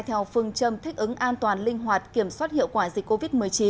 theo phương châm thích ứng an toàn linh hoạt kiểm soát hiệu quả dịch covid một mươi chín